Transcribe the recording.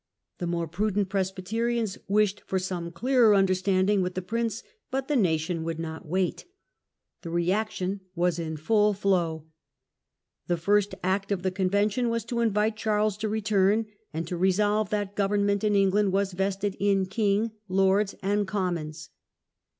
The more prudent Presbyterians wished for some clearer understanding with the prince, but the nation would not wait. The reaction was in full flow. The first act of the Convention was to invite Charles to return, and to resolve that government in England was vested in King, Lords, and Commons.